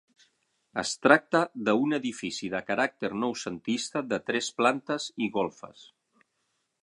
Es tracta d'un edifici de caràcter noucentista de tres plantes i golfes.